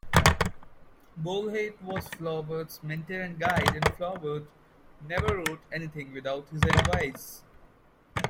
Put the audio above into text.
Bouilhet was Flaubert's mentor and guide, and Flaubert never wrote anything without his advice.